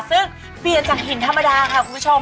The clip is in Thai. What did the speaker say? ซึ่งเปลี่ยนจากหินธรรมดาค่ะคุณผู้ชม